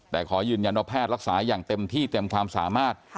แต่ขอยืนยันว่าแพทย์รักษาอย่างเต็มที่เต็มความสามารถ